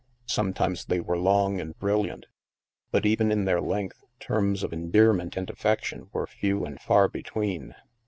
Sometimes they were long and brilliant, but even in their length, terms of endearment and affec tion were few and far between.